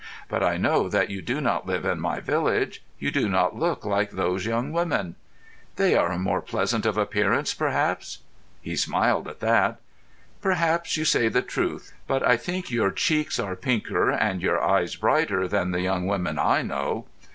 "But I know that you do not live in my village. You do not look like those young women." "They are more pleasant of appearance, perhaps?" He smiled at that. "Perhaps you say the truth, but I think your cheeks are pinker and your eyes brighter than the young women I know."